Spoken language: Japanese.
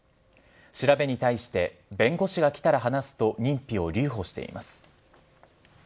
調べに対して弁護士が来たら話すと認否を留保しています。